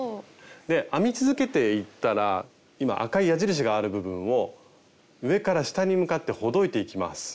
で編み続けていったら今赤い矢印がある部分を上から下に向かってほどいていきます。